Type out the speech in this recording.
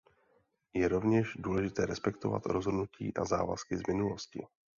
Je rovněž důležité respektovat rozhodnutí a závazky z minulosti.